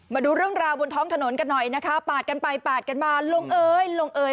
มาดูเรื่องราวบนท้องถนนกันหน่อยนะคะปาดกันไปปาดกันมาลงเอยลงเอย